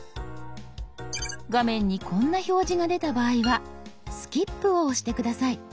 画面にこんな表示が出た場合は「スキップ」を押して下さい。